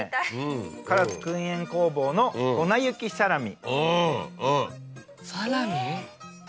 唐津くん煙工房の粉雪サラミ。